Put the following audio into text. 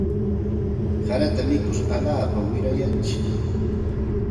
Harata mikur alaapa wirayantsik.